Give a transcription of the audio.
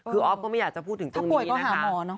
คืออ๊อฟก็ไม่อยากพูดถึงตรงนี้นะคะค่ะถ้าผ่วยก็หาหมอเนอะ